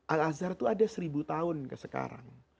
al azhar itu ada seribu tahun ke sekarang